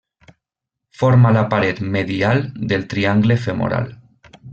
Forma la paret medial del triangle femoral.